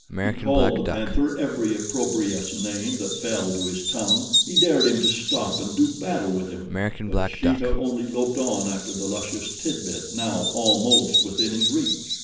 He called the panther every opprobrious name that fell to his tongue. He dared him to stop and do battle with him; but Sheeta only loped on after the luscious titbit now almost within his reach.